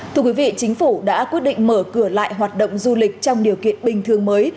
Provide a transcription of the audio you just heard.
thưa quý vị chính phủ đã quyết định mở cửa lại hoạt động du lịch trong điều kiện bình thường mới